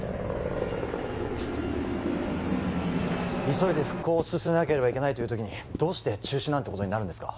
急いで復興を進めなければいけないという時にどうして中止なんてことになるんですか？